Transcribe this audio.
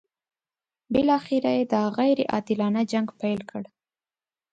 بالاخره یې دا غیر عادلانه جنګ پیل کړ.